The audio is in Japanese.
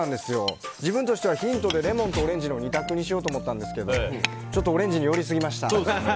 自分としてはヒントでレモンとオレンジの２択にしようと思ったんですけどオレンジに寄りすぎました。